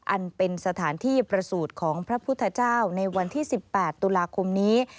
อันเป็นสถานที่ประสูจน์ของพระพุทธเจ้าในวันที่๑๘ตุลาคมนี้